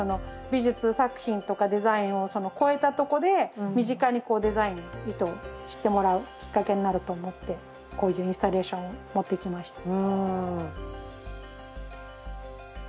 美術作品とかデザインを超えたとこで身近にこうデザインを意図してもらうきっかけになると思ってこういうインスタレーションを持ってきました。